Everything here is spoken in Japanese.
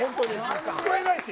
聞こえないし。